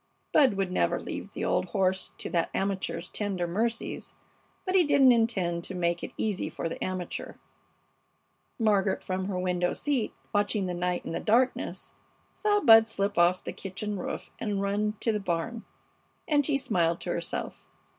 Bud would never leave the old horse to that amateur's tender mercies, but he didn't intend to make it easy for the amateur. Margaret, from her window seat watching the night in the darkness, saw Bud slip off the kitchen roof and run to the barn, and she smiled to herself.